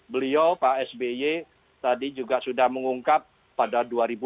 beliau pak sby tadi juga sudah mengungkap pada dua ribu dua puluh